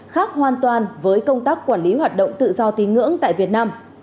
khác hoàn toàn với công tác quản lý hoạt động tự do tín ngưỡng tại việt nam